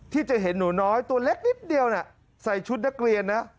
ที่จะเห็นหนูน้อยตัวเล็กนิดเดียวน่ะใส่ชุดนักเรียนนะ